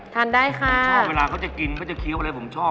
ทานได้ค่ะชอบเวลาเขาจะกินเขาจะเคี้ยวอะไรผมชอบ